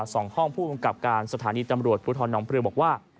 สองห้องผู้กำกับการสถานีตำรวจภูทรน้องเปลือบอกว่า